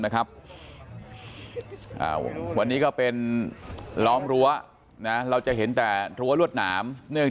นะครับวันนี้ก็เป็นล้อมรั้วนะเราจะเห็นแต่รั้วรวดหนามเนื่อง